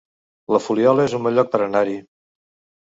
La Fuliola es un bon lloc per anar-hi